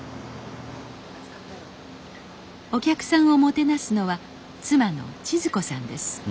お客さんをもてなすのは妻のチズ子さんです